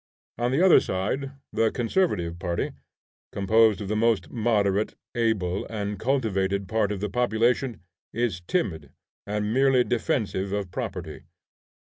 On the other side, the conservative party, composed of the most moderate, able, and cultivated part of the population, is timid, and merely defensive of property.